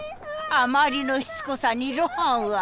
あまりのしつこさに露伴は。